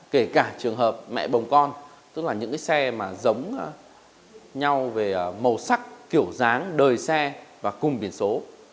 kể cả trường hợp mẹ bồng con tức là những cái xe mà giống nhau về màu sắc kiểu dáng đời xe và cùng biển số